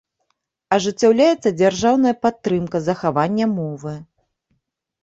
Ажыццяўляецца дзяржаўная падтрымка захавання мовы.